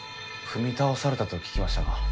踏み倒されたと聞きましたが。